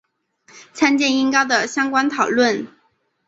参见音高的相关讨论。